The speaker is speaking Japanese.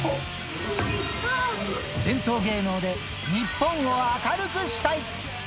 伝統芸能で日本を明るくしたい。